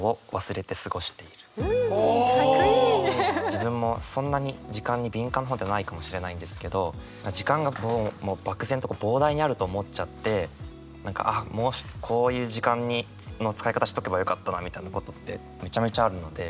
自分もそんなに時間に敏感な方ではないかもしれないんですけど時間がもう漠然と膨大にあると思っちゃって何かああこういう時間の使い方しとけばよかったなみたいなことってめちゃめちゃあるので。